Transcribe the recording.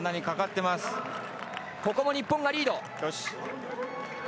ここも日本がリード。